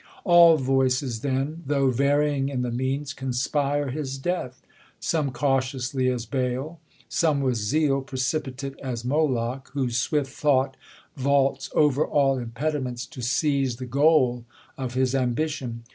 All voices then, Though varying in the means, conspire his death; Some cautiously as Baal ; some with zeal Precipitate as Moloch, whose swift thought Vaults over all impediments to seize The goal of his ambition.